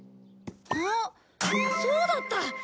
あっそうだった！